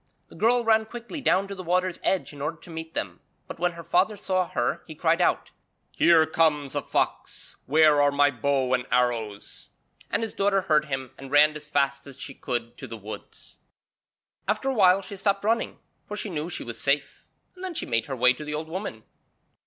The girl ran quickly down to the water's edge in order to meet them, but when her father saw her he cried out: 'Here comes a fox; where are my bow and arrows?' And his daughter heard him and ran as fast as she could to the woods. After a while she stopped running, for she knew she was safe, and then she made her way to the old woman.